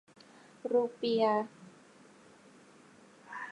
รูเปียห์